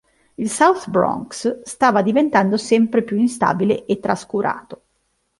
Il South Bronx stava diventando sempre più instabile e trascurato.